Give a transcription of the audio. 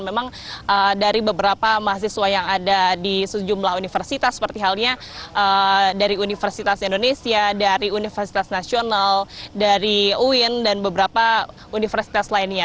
memang dari beberapa mahasiswa yang ada di sejumlah universitas seperti halnya dari universitas indonesia dari universitas nasional dari uin dan beberapa universitas lainnya